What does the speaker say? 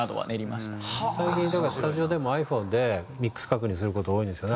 最近だからスタジオでもｉＰｈｏｎｅでミックス確認する事多いんですよね。